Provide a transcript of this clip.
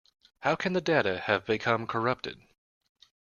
How can the data have become corrupted?